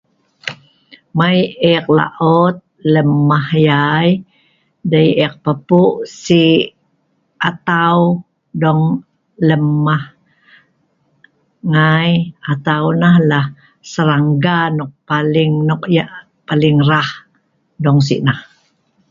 Mai eek laot lem mah yai, dei eek papuk sik atau dong lem mah ngai. Atau nah lah serangga nok paling rah dong sik nah